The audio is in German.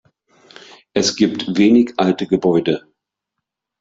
Es gibt wenig alte Gebäude.